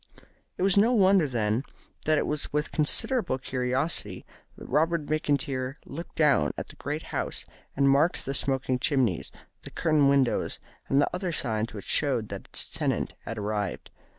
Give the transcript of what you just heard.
It was no wonder, then, that it was with considerable curiosity that Robert McIntyre looked down at the great house, and marked the smoking chimneys, the curtained windows, and the other signs which showed that its tenant had arrived.